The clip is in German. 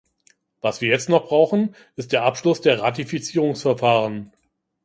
Was wir jetzt noch brauchen, ist der Abschluss der Ratifizierungsverfahren.